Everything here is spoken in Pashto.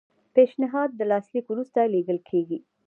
پیشنهاد د لاسلیک وروسته لیږل کیږي.